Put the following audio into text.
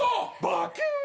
「バキューン！」